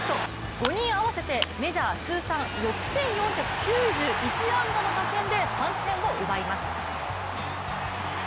５人合わせてメジャー通算６４９１安打の打線で、３点を奪います。